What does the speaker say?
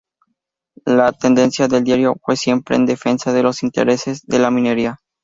La tendencia del diario fue siempre en defensa de los intereses de la minería.